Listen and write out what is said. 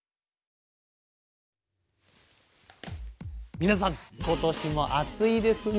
皆さん今年も暑いですね。